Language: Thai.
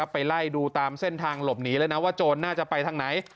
ไปไล่ดูตามเส้นทางหลบหนีเลยนะว่าโจรน่าจะไปทางไหน